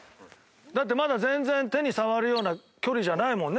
だってまだ全然手に触るような距離じゃないもんね